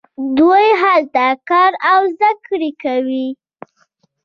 دوی هلته کار او زده کړه کوي.